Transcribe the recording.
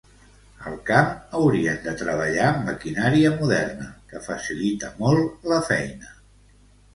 Al camp haurien de treballar amb maquinària moderna que facilita molt la feina.